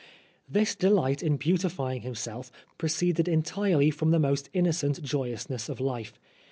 This delight in beautifying himself proceeded entirely from the most innocent joyousness of life.